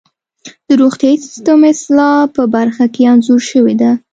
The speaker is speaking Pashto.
د روغتیايي سیستم اصلاح په برخه کې انځور شوې ده.